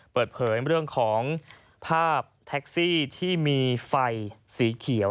เปิดเผยเรื่องของภาพแท็กซี่ที่มีไฟสีเขียว